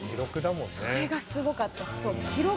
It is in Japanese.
それがすごかった。